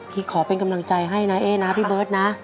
ขอเป็นกำลังใจให้นะเอ๊นะพี่เบิร์ตนะ